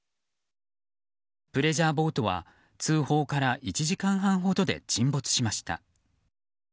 プレジャーボートは通報から１時間半ほどで沈没しました。